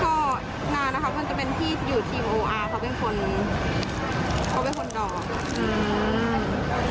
ก็นานนะคะเพื่อนจะเป็นที่อยู่ทีมโออาร์เขาเป็นคนเขาเป็นคนดอกอืม